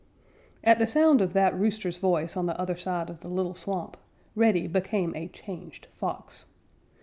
_ At the sound of that rooster's voice on the other side of the little swamp, Reddy became a changed Fox.